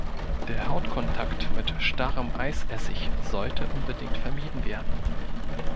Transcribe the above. Der Hautkontakt mit starrem Eisessig sollte unbedingt vermieden werden.